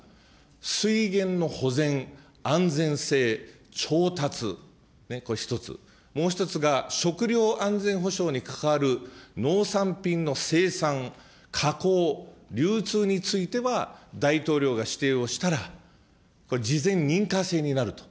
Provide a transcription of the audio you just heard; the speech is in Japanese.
水源の保全、安全性、調達、これ一つ、もう一つは、食料安全保障に関わる農産品の生産、加工、流通については大統領が指定をしたら、これ、事前認可制になると。